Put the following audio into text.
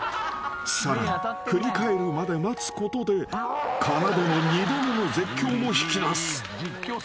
［さらに振り返るまで待つことでかなでの二度目の絶叫も引き出す］